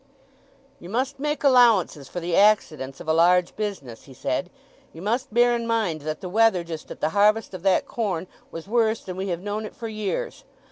"You must make allowances for the accidents of a large business," he said. "You must bear in mind that the weather just at the harvest of that corn was worse than we have known it for years.